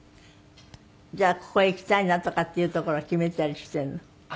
じゃあここへ行きたいなとかっていう所を決めたりしているの？